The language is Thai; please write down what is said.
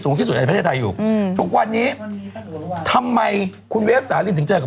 ที่สุดในประเทศไทยอยู่อืมทุกวันนี้ทำไมคุณเวฟสาลินถึงเจอกับ